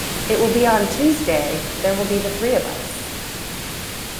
It will be on Tuesday; there will be the three of us.